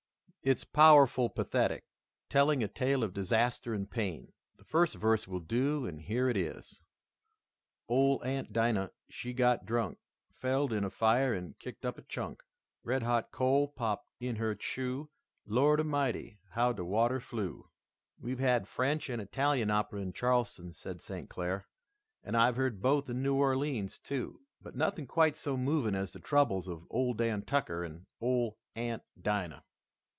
"It's powerful pathetic, telling a tale of disaster and pain. The first verse will do, and here it is: "Ole Aunt Dinah, she got drunk, Felled in a fire and kicked up a chunk, Red hot coal popped in her shoe, Lord a mighty! how de water flew!" "We've had French and Italian opera in Charleston," said St. Clair, "and I've heard both in New Orleans, too, but nothing quite so moving as the troubles of Ole Dan Tucker and Ole Aunt Dinah."